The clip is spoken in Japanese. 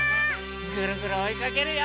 ぐるぐるおいかけるよ！